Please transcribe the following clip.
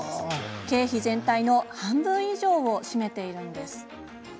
経費全体の半分以上を占めているんです。